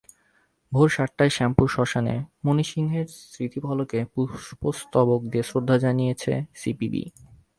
ভোর সাতটায় শ্যামপুর শ্মশানে মণি সিংহের স্মৃতিফলকে পুষ্পস্তবক দিয়ে শ্রদ্ধা জানিয়েছে সিপিবি।